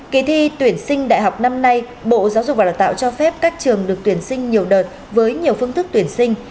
kỳ thi tuyển sinh đại học năm nay bộ giáo dục và đào tạo cho phép các trường được tuyển sinh nhiều đợt với nhiều phương thức tuyển sinh